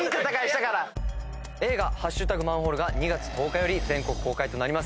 映画『＃マンホール』が２月１０日より全国公開となります。